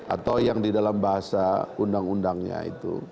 atau yang di dalam bahasa undang undangnya itu